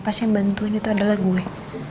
pasti yang bantuin itu adalah gue